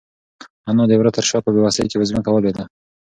انا د وره تر شا په بېوسۍ کې په ځمکه ولوېده.